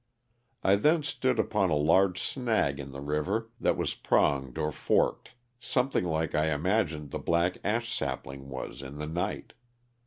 I then stool upon a large snag in the river that was pronged or forked something like 1 imagined the black ash sapling was in the night.